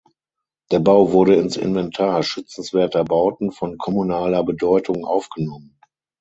Der Bau wurde ins Inventar schützenswerter Bauten von kommunaler Bedeutung aufgenommen.